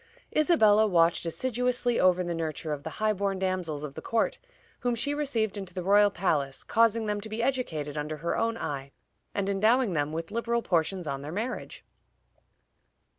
Isabella watched assiduously over the nurture of the high born damsels of the court, whom she received into the royal palace, causing them to be educated under her own eye, and endowing them with liberal portions on their marriage."